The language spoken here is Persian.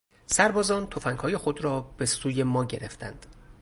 سربازان تفنگهای خود را به سوی ما گرفتند.